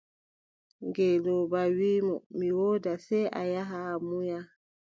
Ngeelooba wii mo: mi woodaa, sey a yaha a munya.